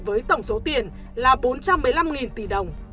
với tổng số tiền là bốn trăm một mươi năm tỷ đồng